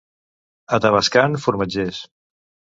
A Tavascan, formatgers.